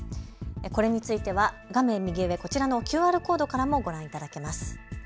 これについては画面右上、こちらのＱＲコードからもご覧いただけます。